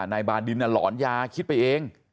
นายบาดินหลอนยาคิดไปเอง